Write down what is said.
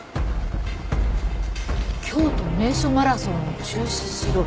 「京都名所マラソンを中止しろ」